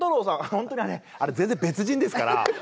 ホントにあれあれ全然別人ですから。